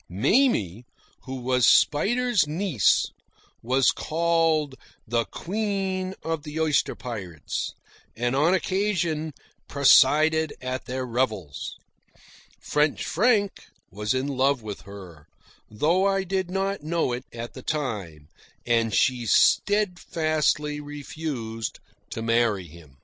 Mamie, who was Spider's niece, was called the Queen of the Oyster Pirates, and, on occasion, presided at their revels. French Frank was in love with her, though I did not know it at the time; and she steadfastly refused to marry him.